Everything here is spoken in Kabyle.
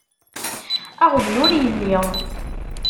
Aɣbel ur yelli.